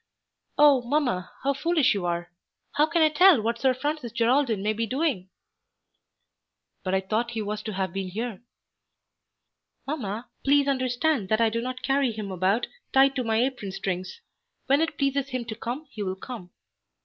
"Oh, mamma, how foolish you are! How can I tell what Sir Francis Geraldine may be doing?" "But I thought he was to have been here." "Mamma, please understand that I do not carry him about tied to my apron strings. When it pleases him to come he will come."